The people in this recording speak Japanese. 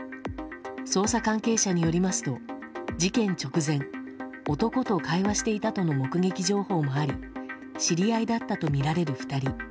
捜査関係者によりますと事件直前男と会話していたとの目撃情報があり知り合いだったとみられる２人。